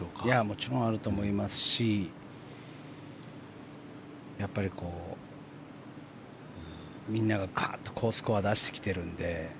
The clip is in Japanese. もちろんあると思いますしやっぱり、みんなが好スコアを出してきているんで。